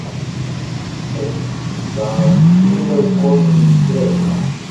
Ass yesɛa simraw-kuẓ n yisragen.